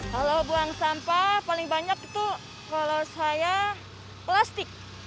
kalau buang sampah paling banyak itu kalau saya plastik